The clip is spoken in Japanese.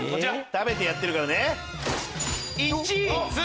食べてやってるからね。